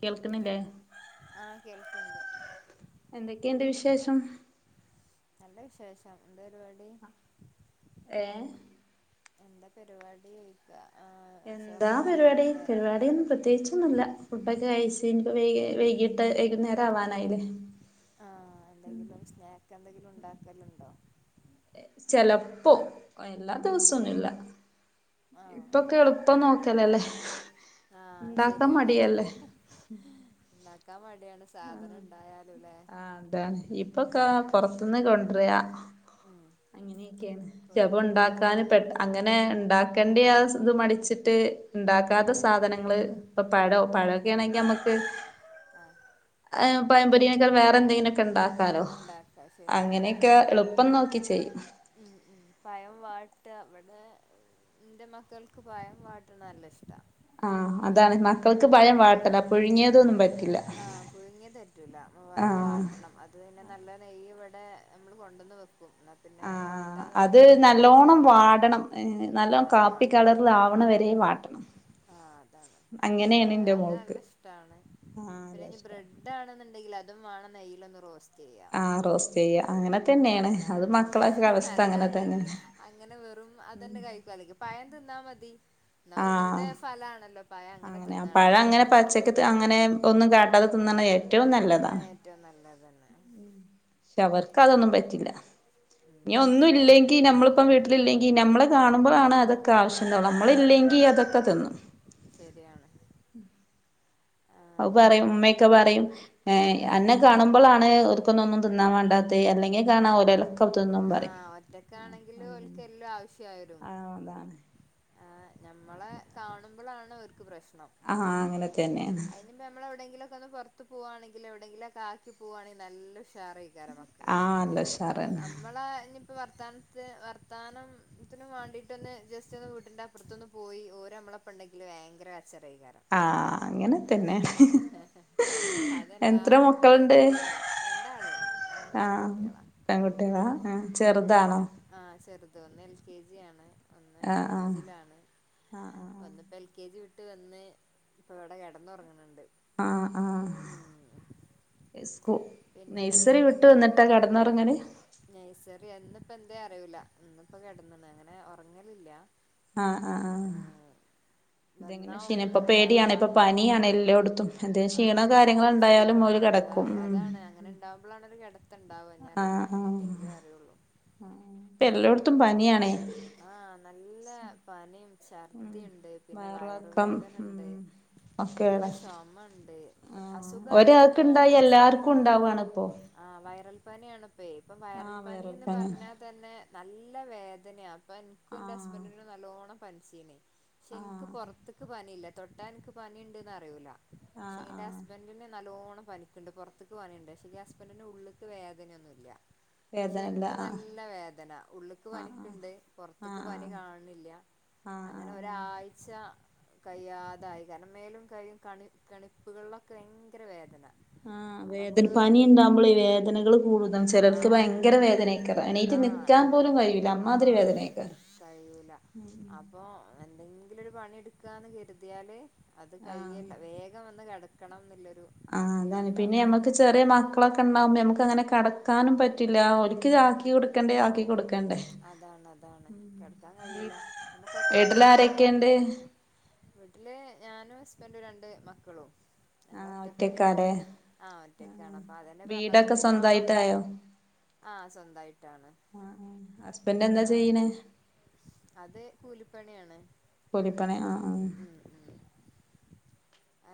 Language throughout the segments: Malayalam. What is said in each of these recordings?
കേൾക്കുന്നില്ലേ ഇണ്ട് എന്തൊക്കെയുണ്ട് വിശേഷം? നല്ല വിശേഷം എന്തരുപാടി? ഏഹ് എന്താ പരിപാടിയോയ്ക്ക എന്താ പരിപാടി പരിപാടിയൊന്നും പ്രത്യേകിച്ചൊന്നുല്ല ഫുഡൊക്കെ കഴിച്ച് ഇനിപ്പോ വൈ വൈകിട്ട് വൈകുന്നേരം ആവാനായില്ലേ ആഹ് എന്തെങ്കിലും സ്നാ ‌ എന്തെങ്കിലും ഉണ്ടാക്കലുണ്ടോ? ലപ്പോ എല്ലാ ദിവസൊന്നുല്ല ആഹ് ഇപ്പൊക്കെ ശരി എളുപ്പം നോക്കലല്ലേ ആഹ് ഉണ്ടാക്കാ ശരിയാണ് മടിയല്ലേ കാമാട് ആഹ് ആഹ് അതാണ് ഇപ്പൊക്ക പുറത്ത്ന്ന് കൊണ്ട് റയാ ഉം അങ്ങനെയൊക്കെയാണ് ചിലപ്പോ കൊടുക്ക ഉണ്ടാക്കാന് പെട്ട് അങ്ങനെ ഉം ഉണ്ടാക്കണ്ടിയാവസ് ഇത് മടിച്ചിട്ട് ത്ത് ഉം ഇണ്ടാക്കാത്ത സാധനങ്ങള് ഇപ്പ പഴോ പഴ വേണെങ്കി അമ്മക്ക് ആഹ് ഏ പയമ്പൊരിയോ വേറെ എന്തെങ്കിലൊക്കെണ്ടാ ഉണ്ടാക്ക ശരിയാണ് ഉം ഉം ഉം എളുപ്പം നോക്കി ചെയ്യും മ് മ് പയം വാട്ട ഇവിടെ ഇന്റെ മക്കൾക്ക് പയം വാട്ടണ നല്ലഷ് ആഹ് അതാണ് മക്കൾക്ക് പയം ഇന്ന് വാട്ടണം പുഴുങ്ങിയതൊന്നും പറ്റില്ല ആഹ് പുഴുങ്ങിയത് പറ്റൂല പയം ആഹ് വാട്ടണം അത് പിന്നെ നല്ല നെയ്യ് ഇവിടെ നമ്മള് കൊണ്ടന്ന് വെക്ക് ക്കും എന്നാ പിന്നെ ആഹ് വട്ടാന്ന് അത് പറയുമ്പോ അതുവെച്ച് നല്ലോണം വാടണം നല്ലോണം കാപ്പി ല്ലോവാട കളറിലാവണ വരെ വാട്ടണം ആഹ് അതാണ് അപ്പൊ അങ്ങനെയാണ് എന്റെ അത് മോൾക്ക് നല്ല ഇഷ്ടാണ് ആഹ് നല്ല പിന്നെ ഇനി ഇഷ്ടാ ബ്രെഡ് ആണെന്നുണ്ടങ്കിലതും വേണം നെയ് [unintelligible] ചെയ്യ ആഹ് റോസ്റ്റ് ചെയ്യ അങ്ങനെ ആഹ് തന്നെയാണ് അല്ല അത് ഉം ഹ മക്കളൊക്കെ ഹ ഹ അവസ്ഥ അങ്ങനെ അല്ലാതെ തന്നെയാണ് അങ്ങനെ വെറും അതന്നെ കഴിക്കും അല്ലെങ്കി പയ തിന്നാ മതി എന്നാ ആഹ് ഒന്നുകൂടെ ഫലാണല്ലോ പഴ ങ്ങനെ അങ്ങനെ പഴം തിന്നാണെങ്കില് ട്ടാതെ തിന്നണേ റ്റവും ആഹ് നല്ലതാണ്. ഏറ്റവും നല്ലത് തന്നെ ക്ഷേ അവര്ക്ക് അപ്പം അതൊന്നും പറ്റില്ല ഉം ഇനി ഭക്ഷണ ഒന്നുല്ലെങ്കി നമ്മളിപ്പം വീട്ടിലില്ലെങ്കി നമ്മളെ കാണുമ്പളാണ് അതൊ ക്കെ ആവശ്യണ്ടാവും നമ്മളില്ലെങ്കി അതൊക്കെ തിന്നും. [unintelligible] ഉം ആ അഅ് പറിം നമ്മ ഇമ്മക്കെ പറിം ഏ ഉം അന്നെ കാണുമ്പളാണ് ഓര് ക്കൊന്നൊന്നും തിന്നാ മാണ്ടാത്തെ അല്ലെങ്കി കാണാ ഓല് [unintelligible] ആ ഒറ്റക്കണെങ്കില് ഒൽക്കെല്ലും ആവശ്യ ആ അതാണ് ആ ഞമ്മളെ കാണുമ്പളാണ് ഓര്ക്ക് പ്രശ് ആ അങ്ങനെത്തന്നെണ്. ന്ന് പുറത്ത് പോകവാണെങ്കില് എവടെങ്കിലൊക്കെ ആക്കി പോവാണെങ്കി നല്ല ഷ് ആഹ് ല്ല ഉശാറാറാണ്. ഞിപ്പോ വർത്താനത്ത് വർത്താനാ ത്തിന് വേണ്ടിട്ടൊന്ന് ജസ്റ്റ് ഒന്ന് വീട്ടിന്റെ അപ്പുറത്തൊന്ന് പോയി ഓര് അമ്മളപ്പണ്ടെങ്കിൽ ഭയങ്കര കര് ച്ചിലേകാരം. ആ അങ്ങനെ ആ തന്നെയാണ് അതെല്ലാ എത്ര മക്കളിം ഒരു മക്കളുണ്ട് ശൈല്യാ. രണ്ടാള്. രണ്ട് ആ പെൺകുട്ടിയേളാ ഉം പെൺകുട്ടികളാ ആ ഉം ചെറുതാണോ ഒരാ. ആ ചെറുത് ഒന്ന് എൽ കെ ജി ആണ്. ഒന്ന് ആ ആ അഞ്ചിലാണ്. ആ ആ ഒന്ന്പ്പ എൽ കെ ജി വിട്ട് വന്ന് ഇപ്പൊ ഇവടെ കിടന്നുറങ്ങണ് ണ്ട്. ആഹ് ആഹ് സ്കൂ പിന്നെ നഴ്സറി വിട്ട് വന്നിട്ടാ കടന്നൊർങ്ങല്? നൈസറി ഇന്നിപ്പ എന്തേ അറിയൂല്ല. ഇന്നിപ്പ കെടന്ന്ണ്. അങ്ങനെ ഉറങ്ങലില്ല. ആഹ് വന്നാ ഇതെങ്ങനെ ശീ നെ ഓക്ക് ഇപ്പൊ പേടിയാണ്. തറവാ ഇപ്പൊ പനിയാണ് എല്ലോട്ത്തും. എന്തെ ആ ക്ഷീണോ പനി കാര്യങ്ങളും ക്ഷീ ഉണ്ടായാലും ആ ഓല് കെടക്കും. ഉം കെട ത്തണ്ടാവാ.. ഇഞ്ഞറീല്ല. ആഹ് എങ്കിലേ അറിയൊള്ളൂ. ത്തും പനിയാണേ.. ആഹ് നല്ല പനിം ഉം ഛർദിണ്ട്, പിന്നെ വയറിളക്കം ഉം വയറുവേദനണ്ട്, നല്ല ഒക്കെയാണ് ചുമ ഉണ്ട്, ആഹ് അസുഖായിട്ട് ഇപ്പം ഒരാൾക്കുണ്ടായ ഹോസ്... എല്ലാർക്കും ഉണ്ടാവാണ് ഇപ്പോ ആ വയറൽപനിയാണ് പ്പേ ഇപ്പം വയറൽ ആഹ് വൈറൽ പനീന്ന് പനി പറഞ്ഞാൽ തന്നെ നല്ല വേദനയാ ഇപ്പ എനക്ക് എന്റെ ആഹ് ഹസ്ബൻഡ്ന് നല്ലോണ്ണം പനിച്ചിനി ക്ഷെ എനിക്ക് ആഹ് പൊർത്ത്ക്ക് പനില്ല തൊട്ട എനിക്ക് പനിണ്ട്ന്ന് അറിയുല്ല പക്ഷെ ആഹ് എന്റെ ആഹ് ഹസ്ബൻഡ്ന് നല്ലോൺ ണം പനിക്കുണ്ട് പുറത്ത്ക്ക് പനിണ്ട് പക്ഷേ ഹസ്ബൻഡ്ന് ഉള്ളക്ക് വേദനയൊന്നുല്ല. വേദനല്ല ക്ഷെനിക്ക് ആഹ് നല്ല വേദന ഉള്ളിക്ക് ആഹ് പനിക്ക്ണ്ട് പുറത്ത്ക്ക് ആഹ് പനി കാണണില്ല ആഹ് ആഹ് ആഹ് അങ്ങനെ ആഹ് ആഹ് ഒരാഴ്ച്ച കഴിയാതായി കാരണം മേലും കൈയും കണി കെണിപ്പുകളിലൊക്കെ ഭയങ്കര വേദന. ആ അപ്പൊ വേദന നമുക്ക് പനി എന്തെങ്കിലും ഉണ്ടാവുമ്പള് വേദനകൾ കൂടുതല്ല ചിലർക്ക് ആഹ് കു ഭയങ്കര വേദനയക്കര എണീറ്റ് നിൽക്കാൻ ആഹ് പോലും കഴൂല്ല അമ്മാതിരി ആഹ് വേദനെ കഴിയൂല അപ്പൊ എന്തെങ്കിലും ഒരു പണിയെടുക്കാന്ന് കരുതിയാല്. അത് കയ്യല്ല വേഗം വന്ന് കിട ക്കണം ന്ന്ല്ലൊ ആ അതാണ് പിന്നെ നമ്മക്ക് ചെറിയ മക്കളൊക്കെ ഉണ്ടാവുമ്പോ നമക്ക് അങ്ങനെ ക കെടക്കാനും പറ്റില്ല ഒരിക്കിത് ആക്കി കൊടുക്കേണ്ടേ ആക്കി കൊടുക്ക് അതാണ് അതാണ് കിടക്കാൻ കയൂല നമ്മുക്ക് ഒറ്റ വീട്ടിൽ പെരയൊക്കെ ആയാല് ആരൊക്കെയുണ്ട് വീട്ടില് ഞാനും ഹസ്ബൻഡും രണ്ട് മക്കളും ഞങ്ങൾ ആഹ് ഒറ്റ പെരേണ് ഒറ്റക്കാലെ ആ ഒറ്റക്കാണ് ആഹ് അപ്പൊ അതന്നെ പറഞ്ഞത് വീടൊക്കെ ഒറ്റക്ക് ആവുമ്പോ സ്വന്തായിട്ടായോ ആ സ്വന്തായിട്ടാണ്. ഹസ്ബൻഡു എന്താ ആഹ് ചെയ്യണേ അത് കൂലിപ്പണിയാണ് കൂലിപണി അ ആ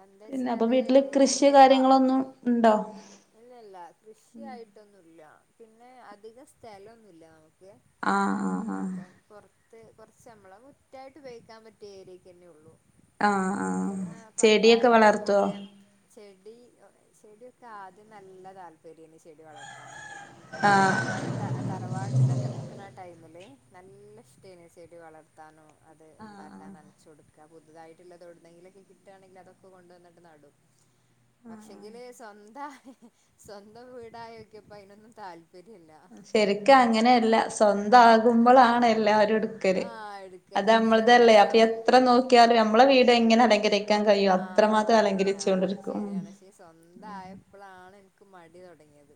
എന്തേച്ചാല് നമ്മള് കൃഷി ഒറ്റക്ക കാര്യങ്ങളൊന്നും ഉണ്ടോ? ഇല്ലല്ല കൃഷിയായിട്ടൊന്നുല്ല പിന്നെ അധികം സ്ഥലൊന്നുല്ല നമു അ അ ആ ത്ത് കുറച്ച് നമ്മളെ മുറ്റായിട്ട്പയോഗിക്കാൻ പറ്റിയ ഏരിയയ്ക്ക്ന്നെ ഉള്ളൂ ആ ആ ആഹ് ചെടിയൊക്കെ പപ്പായ വളർത്തുവോ അതെ ചെടി ചെടിയൊക്കെ ആദ്യം നല്ല താൽപര്യനി ചെടി വളർത്താനൊക്കെ ആഹ് അഥവാ ഞ ട്ട തറവാട്ടിലൊ ടൈമില് നല്ല ഇഷ്ടയിന് ചെടി വളർത്താനും അത് ഇണ്ടാക്കാ നൻച്ച കൊടുക്ക പുതുതായിട്ടുള്ളത് എവിടുന്നെങ്കിലൊക്കെ കിട്ടാണെങ്കിൽ അതൊക്കെ കൊണ്ടുവന്നിട്ട് നടും പക്ഷെങ്കില് സ്വന്താ സ്വന്തം വീടായൊക്ക്യപ്പോ അയ്നൊന്നും താല് ശരിക്ക് അങ്ങനെ എല്ലാ സ്വന്തം ആകുമ്പളാണ് എല്ലാവരും എടുക്കല് ആഹ് എടുക്ക അത് ശരിയാണ് അമ്മൾതല്ലേ പക്ഷെങ്കി അപ്പൊ സ്വ എത്ര നോക്കിയാലും നമ്മളെ വീട് എങ്ങനെ അലങ്കരിക്ക ക്കാൻകഴിയൊ ആഹ് അത്രമാത്രം അതന്നെ അലങ്കരിച്ച് ആഹ് കൊണ്ടിരിക്കും ഉം ശരിയാണ് ക്ക് മടി തൊടങ്ങിയത്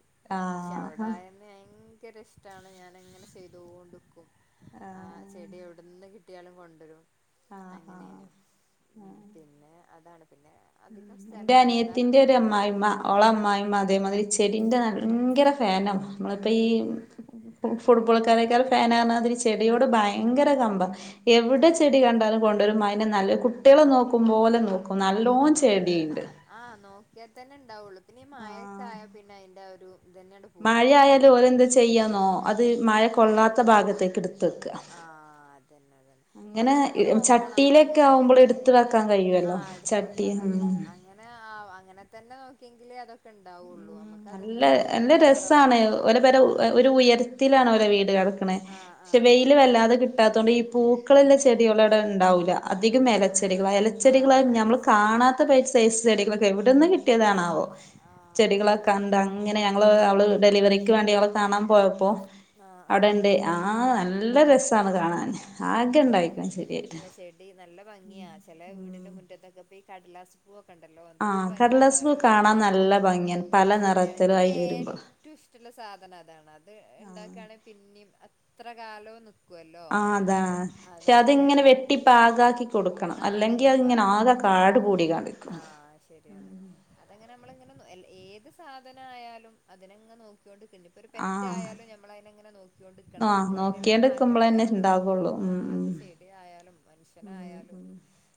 ഷേ അവിടായന്നെങ്കി ക്കേറ്റവും ഇഷ്ട്ടാണ് ഞാന ഇങ്ങനെ ചെയ്തോണ്ട്ക്കും ആഹ് ആ ചെടി എവിടുന്ന് കി കുട്ട്യാളും കൊണ്ടവരും ആ ആ അ ഉം പിന്നെ അതാണ് പിന്നെ അധികം ന്റെ സ്ഥലൊന്നുല്ല എന്നാലും അനിയത്തിന്റെ ഒരു അമ്മായിമ്മ ഓളഅമ്മായിമ്മ അതേമാതിരി ചെടിന്റെ ഭയങ്കര ഫാനോ നമ്മളിപ്പോ ഈ ഉം ഉം ഫുട്ബോൾക്കാരെക്കാെൾ ഫാനാർഞ്ഞ മാതിരി ചെ ചെടിയോട് ഭയങ്കര കമ്പാ എവിടെ ആഹ് ചെടി കണ്ടാലും കൊണ്ടുവരും മയ നല്ല കുട്ടികളെ നോക്കുമ്പോലെ നോക്കും ക്കും നല്ലോം ച്ച് ആ നോക്കിയാൽ തന്നെണ്ടാവും ഈ മയൊക്കെ ആയ പിന്നെ ഐന് ന്താ ഒരു ഇതന്നെയാണ്ട് പോയി കിട്ടും മഴയായാലും ഓരെന്താ ചെയ്യാന്നോ അത് മഴ ഉം കൊള്ളാത്ത ഭാഗത്തേക്ക് ക്കിട്ത് ത്തെക്ക ആഹ് അതന്നെ അതന്നെ അങ്ങനെ അങ്ങനെയൊക്കെ നോക്കണം ചട്ടിയിലെക്കെ അങ്ങനെ ആവുമ്പോള് എടുത്ത് വെക്കാൻ കഴിയുവല്ലോ ആഹ് എടുത്ത് വെക്കാൻ കഴിയും ചട്ടിന്നൊന്നും എങ്കിലേ അതൊ ഉം നല്ല നല്ല രസാണ് കുറവാണ് ഓല പെര ഒരു ഉയര്ത്ത് ത്തിലാണ ഓരെ വീട് കട ക്കണേ ആഹ് പക്ഷേ ആഹ് വെയില് ശരി വല്ലാതെ കിട്ടാത്തൊണ്ട് ഈ പൂക്ക പ്പള് വല്ല്യ ചെടികളവുടെ ണ്ടാവൂല അധികം ആഹ് എലച്ചെടികളാ ആഹ് എലച്ചെടികളത് നമ്മള് എലസ് കാണാത്ത പൈ ഈ സെയ്സ് ചെടികളൊക്കെ എവിടന്ന് കിട്ടിയതാണാവോ. ആഹ് അത് ചെടികളൊക്കെ കണ്ട് ശരി അങ്ങനെ ഞങ്ങള് അവള് ഡെലിവറി [unintelligible] വേണ്ടി [unintelligible] പോയപ്പോ ആഹ് ആഹ് അവിടെണ്ട് ആ നല്ല നല്ല രസാണ് കാണാൻ ആകെ ഉം ഇണ്ടായിക്ക്ണ് ചെടിയായിട്ട് അല്ല ചെടി നല്ല ഭംഗിയാ ചില വീടിന്റെ മുറ്റത്ത്ഒക്കെ ഇ കടലാസ്പൂ ണ്ടല്ലോ ആ എന്തൊരു ഭംഗിയാണ് കടലാസ് പൂ ഓരോ കാണാൻ വീടിന്റെ നല്ല ഭംഗിയാണ് പല ശരിയാണ് എനിക്ക് നിറത്തിലായി വരുമ്പോ ഏറ്റവും ഇഷ്ടമുള്ള സാധനം അതാണ് അത് ഉണ്ടാക്കണെ പിന്നയും എത്രകാലവും നിക്കും [unintelligible] അതാ പക്ഷെ അത്ങ്ങനെ വെട്ടി പാക ആക്കി കൊടുക്കണം ആഹ് അല്ലെങ്കി അതങ്ങനെ അതിങ്ങനെ പാകാക്കി ആകെ കൊടുക്കണം കാട് കൂടി കാണ്ട് നിക്കും നമ്മള് ഇങ്ങനെ ഏത് സാധനം ആയാലും അതിനങ് നോക്കി ഇപ്പൊ ഒരു ആഹ് പെറ്റായാലുംഞങ്ങൾ അതിനെങ്ങനെ നോക്കി ണ്ട്ക്കണം അപ്പോൾ അതിനുള്ളരു മാറ്റംമ്മള് കാണുള്ളൂ കൊള്ളു ആഹ് ഉം അതിപ്പോ ചെടി ആയാലും ഉം മനുഷ്യനായാലും ഉം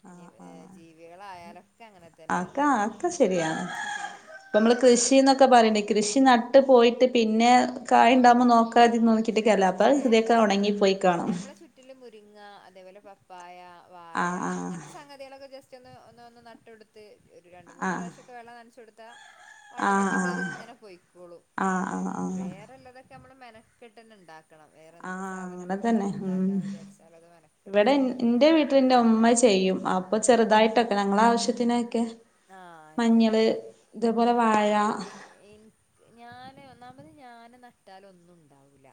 ആ ഇനി ആ ജീവികളായാലൊക്കെ അങ്ങനെ ആക്ക തന്നെയാണ് പറയാ ആക്ക ശരിയാണ് നമ്മള് കൃഷിന്നൊക്കെ പറയണ്ട കൃഷി നട്ട് പോയിട്ട് പിന്നെ ആഹ് [unintelligible] ഏഹ് തൊക്കെ കാര്യല്ല പിന്നെ ഉണങ്ങിപ്പോയികാണും നമ്മളെ ചുറ്റിലും മുരിങ്ങ അതേപോലെ പപ്പായ വായ ആഹ് അങ്ങനത്തെ സംഗതികളൊക്കെ ജസ്റ്റ് [unintelligible] ഒരു രണ്ട് മൂന്ന് ആഹ് പ്രാവശക്കെ വെള്ളം നൻച്ചൊടുത്ത് ത്താ ആഹ് ഓട്ടോമാറ്റിക തിങ്ങനെ പൊയ്ക്കോളും. ആഹ് ആഹ് ആഹ് ആഹ് ആഹ് വേറെള്ളതൊക്കെ, നമ്മള് മെനക്കെട്ടെന്നെണ്ടാ ആഹ് അങ്ങനെ തന്നെ ഉം. വിചാരിച്ചാലും അത് ഇവിടെ മെനക്കെട്ടന്നെ എന്റെ ഇണ്ടാക്കണം വീട്ടിൽ എന്റമ്മ ചെയ്യും. അപ്പൊ ചെറുതായിട്ടൊക്കെ ഞങ്ങള ആവശ്യത്തി തിനൊക്കെ ആഹ് ശരി വാഴ ആഹ് എനി ആ എനിക് ഞാന് ഒന്നാമത് ഞാൻ നട്ടാലൊന്നും ഉണ്ടാവൂല്ല.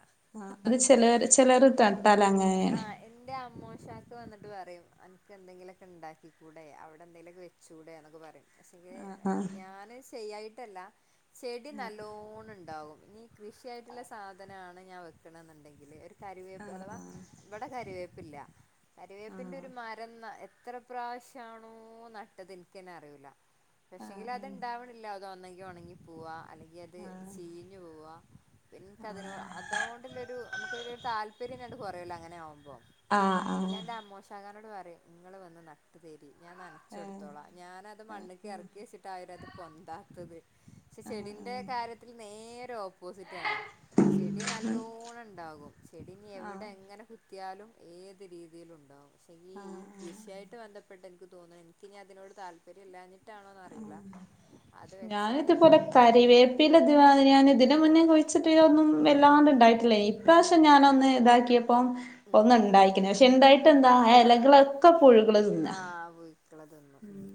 അത് അതെ. ചിലർ ചിലർ നട്ടാൽ അങ്ങനെയാണ് ആഹ് എൻ്റെ അമ്മോഷാക്ക വന്നിട്ട് പറയും, എന്തെങ്കിലൊക്കെണ്ടാക്കികൂടെ, അവടെന്തെങ്കിലൊക്കെ വെച്ചൂടെന്നൊക്കെ, പ്പ പറി ആ [unintelligible] ഞാന് ചെയ്യായിട്ടല്ല ചെടി നല്ലോണണ്ട്. ഉണ്ടാവും ഇനി കൃഷിയായിട്ടുള്ള സാധനമാണ് ഞാൻ വെക്കണ എന്നുണ്ടെങ്കിൽ ഒരു [inaudible] കറിവേപ്പ് അഥവാ ഇവടെ കറിവേപ്പ് പില്ല കരിവേപ്പിന്റെ ഒരു മരം എത്ര പ്രാവശ്യമാണോ നട്ടത് എനിക്ക് [inaudible] നികന്നെ അറിൂല. പക്ഷെങ്കിൽ അതുണ്ടാവണില്ല, അതോന്നങ്കി ഉണങ്ങി പോവാ അല്ലെങ്കിൽ അത് ചീഞ്ഞു പോവാ പിന്നെ അതിന് അതോണ്ടുള്ളരു നമ്മ താല്പര്യംനാണ്ട് കുറയുവല്ലോ അങ്ങനെആകുമ്പോ ആ ആ ആ അപ്പൊ ഞാൻന്റെ അമ്മോഷക്ക ന്നോട് പറിം നിങ്ങൾ വന്ന് നട്ട് തരി ഞാൻ ഏ നനച്ചൊടുത്തോളാ അത് മണ്ണ്ക്ക് ഇറക്കി വെച്ചിട്ടാ [inaudible] അത് പൊന്താത്തത്. പക്ഷെ ചെടിന്റെ കാര്യത്തിൽ നേരെ ഓപ്പോസിറ്റ് ആണ്, ചെടി നല്ലോണം ഉണ്ടാകും ചെടിനി ആ എവിടെ എങ്ങനെ [inaudible] ത്തിയാലും ഏത് രീതിയിലുംഉണ്ടാവും. - പക്ഷെ ഈ ഈ കൃഷിയായിട്ട് ബന്ധപ്പെട്ട എനിക്ക് തോന്നുന്നു എനിക്ക്നി അതിനോട് താല്പര്യമില്ലാഞ്ഞി [inaudible] വെച്ചാൽ ഞാനിതുപോലെ എങ്ങ കറിവേപ്പയില ഞാൻ ഇതിന് മുന്നേ കുഴിച്ചിട്ടിട്ട് ഇതൊന്നും വല്ലാണ്ട് ഇണ്ടായിട്ടില്ലേയ്. ഇപ്രാവശ്യംഞാനൊന്ന് ഇതാക്കിയ ഉം ഇപ്പൊന്ന് ഉണ്ടായിക്ക്ണ്. ഉണ്ടായിട്ടെന്താ ഇലകലൊക്കെ പുഴുക്കള് തിന്ന ആഹ് പുഴുക്കൾ തിന്നും ഉം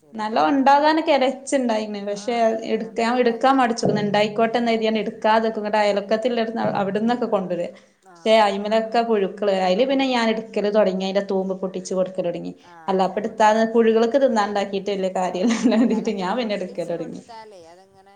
ശരിയാണത് നല്ലോംഉണ്ടാകാനൊക്കെ എലച്ചിണ്ടായിന് അപ്പൊ പക്ഷെ ഞാൻ എടുക്കാ പറയാ എടുക്കാൻ കരുവേ മടിച്ചിരുന്നു ഉണ്ടായിക്കോട്ടെ എന്ന്കരുതിയാണ്ട് ഞാൻ എടുക്കാതെക്കും ഇങ്ങട്ട് അയലൊക്കത്തില്ലൊരു അവിടന്നൊക്കെ കൊണ്ടുവര പക്ഷെ ആഹ് അയിമലൊക്കെ പുഴുക്കള് അയില് [inaudible] പിന്നെ ഞാൻ എടുക്കൽ തുടങ്ങിതിന്റെ തൂമ്പ് പൊട്ടിച്ചു കൊടു [inaudible] തുടങ്ങി, അല്ല അല്ലപ്പെടുത്താ [inaudible] ആഹ അതല്ല കരുതിട്ട് അതങ്ങനെ ഞാൻ പിന്നെ പൊട്ടിച്ചു എടുക്കലൊടങ്ങി കൊടുത്താലേ അതങ്ങനെ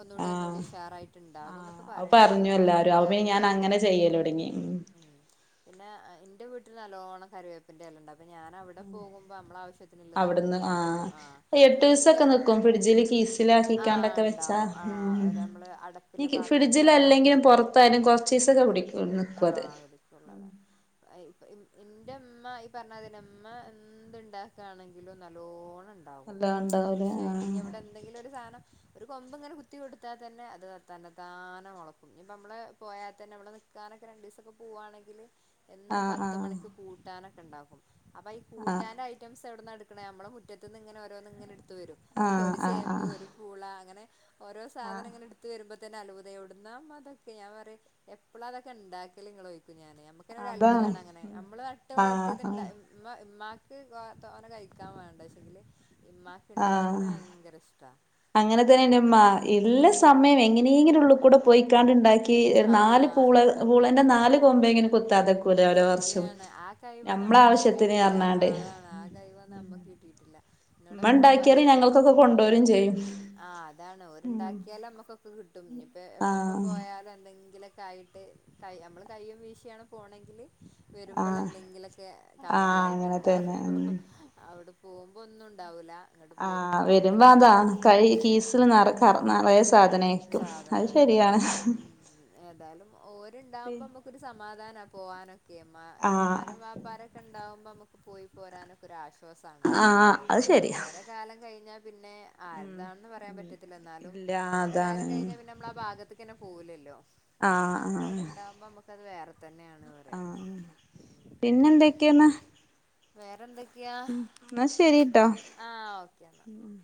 ഒന്നുകൂടി ആഹ് ഒന്നുകൂടി ഉഷാറായിട്ട്ുണ്ടാകും ആഹ് എന്നൊക്കെ അത് പറയണേ പറഞ്ഞു കേക്കാ, എല്ലാരും അപ്പ പിന്നെ എനിക്കറിയൂല ഞാൻ കാരണം അങ്ങനെ ഉ ചെയ്യലൊടങ്ങി ഉം [inaudible] പിന്നെ എന്റെ വീട്ടിൽ നല്ലോണം കറിവേപ്പിന്റെ അല്ല ഉണ്ട ഞാൻ അവിടെ പോകുമ്പോ നമ്മൾ ആവശ്യത്തിനുള്ളത് അവിടുന്ന് കൊണ്ടുവരും ആ എട്ട് പിന്നെ എ്ന്റെ ദിവസൊക്കെ നിക്കും ഫ്രിഡ്ജില് ആഹ കീസിലാക്കിക്കാണ്ടൊക്കെ വെച്ചാ ഉണ്ടാവും ആ ഉം ഒരു നമ്മള് ഈ അടപ്പില പാത്രത്തിലക്കെ ഫ്രിഡ്ജിലല്ലെങ്കിലും പുറത്തായാലും കൊറച്ചീസൊക്കെ പിടിക്കും നിക്കും അത് ആഹടുക്കുള്ളതഇപ്പ ഇപ്പാ എന്റെ അമ്മയ്ത്ത് ഈ പറഞ്ഞാൽ അതിമ്മ എന്തുണ്ടാക്കുകയാണെങ്കിലും നല്ലോണ്ണം ണ്ടാവും നല്ലോം ഉണ്ടാവൂലേ കൃഷിയായിട്ട് ഇ ഇവിടെ എന്തെങ്കിലും ഒരു സാനം ഒരു കൊമ്പ് ഇങ്ങനെ കുത്തി കൊടുത്താ തന്നെ അത് തന്നെ താനം മുളക്കും. ഇനിപ്പോ നമ്മള് പോയാ തന്നെ നമ്മളെ നിക്കാനൊക്കെ രണ്ടു ദിസൊക്കെ പോവുവാണെങ്കിൽ എന്നും ആഹ് പത്ത് ആഹ് മണിക്ക് കൂട്ടാനൊ ണ്ടാവും. അപ്പൊ ഈ ആഹ് കൂട്ടാന്റെ ഐറ്റംസ് അവിട്ന്ന് എടുക്കണേ നമ്മളമുറ്റത്ത്ന്ന് ഇങ്ങെനെഓരോന്ന് ഇങ്ങനെ എട് ത്ത വരും ആഹ് ഒരു ആഹ് ആഹ് ചേമ്പ് ഒരു ആഹ് പൂള അങ്ങനെ ഓരോ ആഹ് സാധനങ്ങന എടുത്ത് വരുമ്പോ ആളുതായോട് എവിടുന്നഉമ്മഇതെക്കെ ഞാൻപറയും എപ്പളാഇതൊക്കെഇണ്ടാക്കല്നിങ്ങള് ഞ നമുക്ക്ന്നെ ഒരു അതാണ് അത്ഭുതമാണ് അങ്ങനെ നമ്മള് നാട്ടുവളർ ആഹ് എന്താ ആഹ് എമ്മ ഉമ്മാക്ക് കൊ തോന കഴിക്കാ വേണ്ടച്ചെങ്കില് ഇമ്മാക്ക് ഇണ്ടാക്കണ ആഹ് ഭയങ്കര ഇഷ് അങ്ങനെ തന്നെഇന്റെഉമ്മഎല്ലാ സ് സമയം എങ്ങനെങ്ങനെ ഉള്ള കൂടെ പോയിക്കാണ്ട്ഇണ്ട ആഹ് കൊമ്പെങ്കിലും കുത്താതെക്കൂലെ ഓരോ വർഷം ശരിയാണ് ആ കഴിവും ഞമ്മളെ നമ്മക്ക് ആവശ്യത്തിന് കിട്ടിയിട്ടില്ല. പറഞ്ഞാണ്ട് അതാണ് ആ കഴിവന്നും നമ്മക്ക് കിട്ടിയിട്ടില്ല. എന്നോട് ഉമ്മ എപ്പളും ഉണ്ടാക്കിയാല് പറയും ഞങ്ങൾക്കൊക്കെ ഉം കൊണ്ടോരും ചെയ്യും ആഹ് അതാണ് ഓരുണ്ടാക്കിയാലും നമ്മുക്ക് കിട്ടും ഇനിപ്പ എപ്പം ആഹ് പോയാലും എങ്കിലൊക്കെ ആയിട്ട് കൈ ഞമ്മള് കയ്യും വീശിയാണ് പോണങ്കില് വരുമ്പോൾ ആഹ് എന്തെങ്കിലുക്കെ ആഹ് അങ്ങനെ കവറിലായിട്ട്ണ്ടാവോ തന്നെ ഉം അവിടെ പോകുമ്പോ ഒന്നും ഉണ്ടാവൂല. ഇങ്ങട്ട് പോരുമ്പോ ആഹ് വരുമ്പോ എന്തെങ്കിലൊക്കെ അതാ ആയിട്ട് കൈ കീസല് നെറകറ നറേശ് സാധനയരും അതെ ഉം ഏതായാലും ഓര്ണ്ടാവുമ്പോ മുക്കൊരു സമാധാന. പോവാന ഏമാ ആഹ് എമ്മാരും വാപ്പാരൊക്കെ ഇണ്ടാവും. ഇപ്പൊ നമുക്ക്പോയിപോരാനൊരുആശ്വാ സആണല്ലോ ആഹ് അത് ശരിയാ ഓര കാലം കഴിഞ്ഞ പിന്നെ ആരതാണെന്ന് പറയാൻ പറ്റത്തില്ല എന്നാലും ഇല്ല ഓ അതാണ് കാരം കഴഞ്ഞ പിന്നെമ്മള ബ പാഗത്തക്കനെ പോകലല്ലോ. ആ ആ അത് വേറെ തന്നെയാണ് ആ പറയാ പിന്നെന്തൊക്കെയണ് വേറെ എന്തൊ ഉ എന്ന ശരിട്ടാ ആഹ് ഓക്കെ എന്നാ മു മു